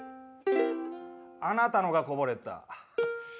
あなたのがこぼれた。